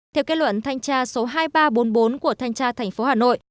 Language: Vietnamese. theo kết luận thanh tra số hai nghìn ba trăm bốn mươi bốn của thanh tra tp hà nội